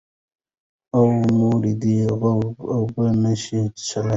او مور دې غوړپ اوبه نه شي څښلی